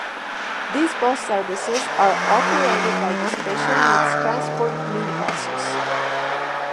These bus services are operated by the special needs transport minibuses.